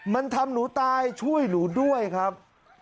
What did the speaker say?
มันทำหนูตายช่วยหนูด้วยครับ